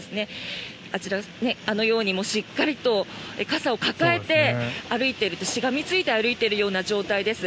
あのようにしっかりと傘を抱えて歩いているようなしがみついて歩いているような状態です。